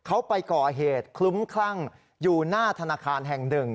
เขาไปก่อเหตุคลุ้มคลั่งอยู่หน้าธนาคารแห่งหนึ่ง